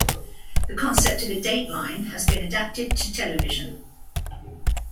The concept of a dateline has been adapted to television.